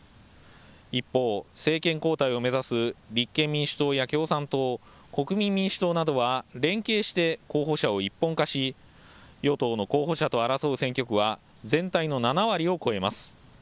一方、政権交代を目指す立憲民主党や共産党、国民民主党などは連携して候補者を一本化し与党の候補者と争う選挙区は全体の７割を超えます。